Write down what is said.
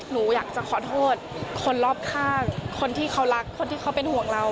หนูอยากจะขอโทษคนรอบข้างคนที่เขารักคนที่เขาเป็นห่วงเรา